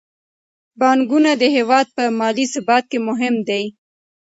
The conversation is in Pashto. بانکونه د هیواد په مالي ثبات کې مهم دي.